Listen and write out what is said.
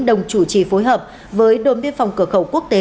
đồng chủ trì phối hợp với đồn biên phòng cửa khẩu quốc tế